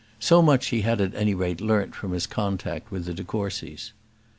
So much he had at any rate learnt from his contact with the de Courcys.